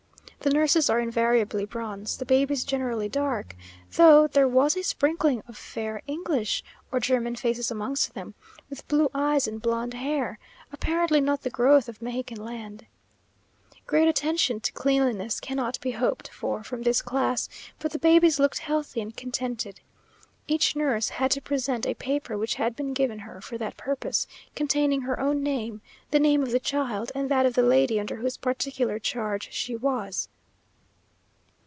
The nurses are invariably bronze; the babies generally dark, though there was a sprinkling of fair English or German faces amongst them, with blue eyes and blonde hair, apparently not the growth of Mexican land. Great attention to cleanliness cannot be hoped for from this class, but the babies looked healthy and contented. Each nurse had to present a paper which had been given her for that purpose, containing her own name, the name of the child, and that of the lady under whose particular charge she was.